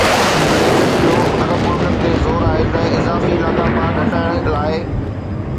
I M F جو عرب ملڪن تي زور آهي ته اضافي لاڳاپا گهٽائڻ لاءِ